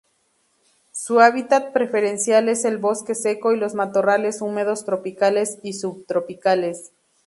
Su hábitat preferencial es el bosque seco y los matorrales húmedos tropicales y subtropicales.